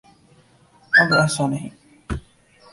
اب ایسا نہیں۔